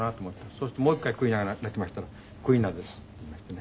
そうするともう一回クイナが鳴きましたら「クイナです」って言いましてね。